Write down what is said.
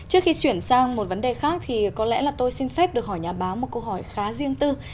trước khi chuyển sang một vấn đề khác thì có lẽ là tôi xin phép được hỏi nhà báo một câu hỏi khá riêng tư